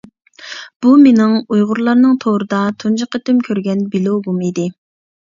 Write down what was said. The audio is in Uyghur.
بۇ مېنىڭ ئۇيغۇرلارنىڭ تورىدا تۇنجى قېتىم كۆرگەن بىلوگۇم ئىدى.